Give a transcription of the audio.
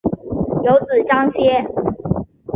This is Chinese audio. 有子章碣。